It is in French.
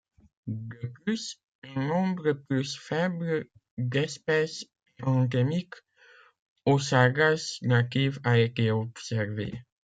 De plus, un nombre plus faible d’espèces endémiques aux Sargasses natives a été observé.